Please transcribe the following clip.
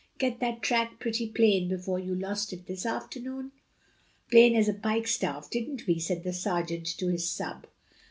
Get that track pretty plain before you lost it this afternoon?" "Plain as a pikestaff, didn't we?" said the sergeant to his sub.